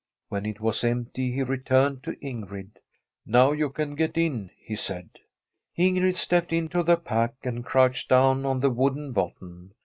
When it was empty he returned to Ingrid. ' Now you can get in,' he said. Ingrid stepped into the pack, and crouched down on the wooden bottom.